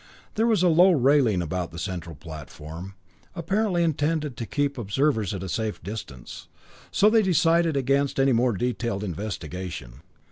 There was a low railing about the central platform, apparently intended to keep observers at a safe distance, so they decided against any more detailed investigation.